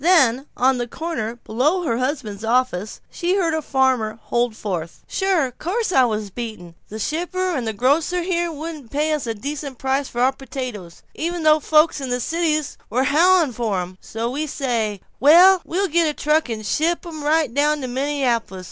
Then, on the corner below her husband's office, she heard a farmer holding forth: "Sure. Course I was beaten. The shipper and the grocers here wouldn't pay us a decent price for our potatoes, even though folks in the cities were howling for 'em. So we says, well, we'll get a truck and ship 'em right down to Minneapolis.